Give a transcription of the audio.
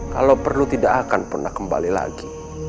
kalau perlu tidak akan pernah kembali lagi